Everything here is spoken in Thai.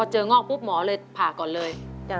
งอกปุ๊บหมอเลยผ่าก่อนเลย